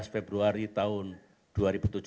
lima belas februari tahun dua ribu tujuh belas mendatang